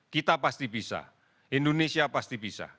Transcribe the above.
kita pasti bisa indonesia pasti bisa